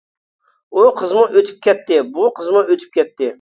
ئۇ قىزمۇ ئۆتۈپ كەتتى، بۇ قىزمۇ ئۆتۈپ كەتتى.